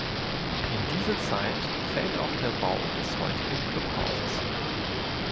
In diese Zeit fällt auch der Bau des heutigen Clubhauses.